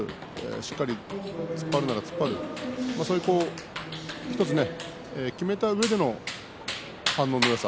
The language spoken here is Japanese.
しっかり突っ張るなら突っ張る１つ決めたうえでの反応のよさ